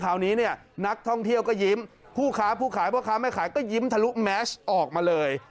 คราวนี้เนี่ยนักท่องเที่ยวก็ยิ้มผู้ค้าผู้ขายพ่อค้าแม่ขายก็ยิ้มทะลุแมชออกมาเลย